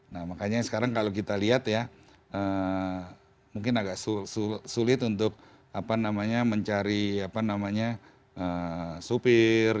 nah makanya sekarang kalau kita lihat ya mungkin agak sulit untuk apa namanya mencari apa namanya supir